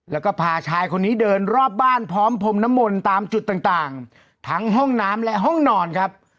แล้วก็พาชายคนนี้เดินรอบบ้านพร้อมพรมน้ำมนต์ตามจุดต่างทั้งห้องน้ำและห้องนอนครับ